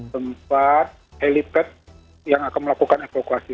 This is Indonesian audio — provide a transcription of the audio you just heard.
tempat helipad yang akan melakukan evakuasi